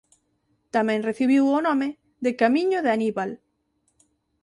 Tamén recibiu o nome de "Camiño de Aníbal".